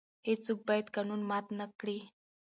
هیڅوک باید قانون مات نه کړي.